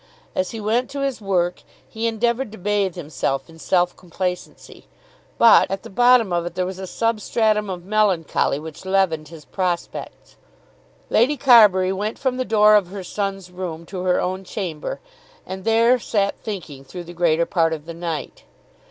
As he went to his work he endeavoured to bathe himself in self complacency; but, at the bottom of it, there was a substratum of melancholy which leavened his prospects. Lady Carbury went from the door of her son's room to her own chamber, and there sat thinking through the greater part of the night.